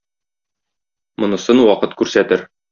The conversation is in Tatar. Монысын вакыт күрсәтер.